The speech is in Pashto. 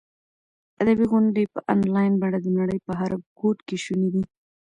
ادبي غونډې په انلاین بڼه د نړۍ په هر ګوټ کې شونې دي.